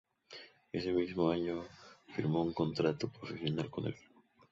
Ese mismo año firma un contrato profesional con el club.